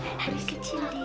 berisik kecil deh